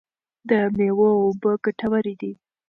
د مېوو اوبه ګټورې دي.